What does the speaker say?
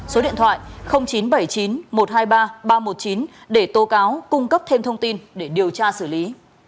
số điện thoại chín trăm bảy mươi chín một trăm hai mươi ba ba trăm một mươi chín để tô cáo cung cấp thêm thông tin để điều tra xử lý